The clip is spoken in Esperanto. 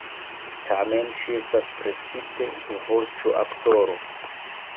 Tamen ŝi estas precipe voĉoaktoro.